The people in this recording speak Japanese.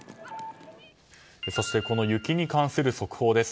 そしてこの雪に関する速報です。